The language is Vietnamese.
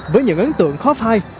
với những ấn tượng khó phai